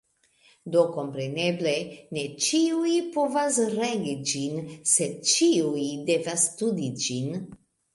Do kompreneble, ne ĉiuj povas regi ĝin, sed ĉiuj devas studi ĝin.